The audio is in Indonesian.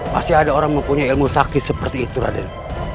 masih ada orang mempunyai ilmu sakti seperti itu raden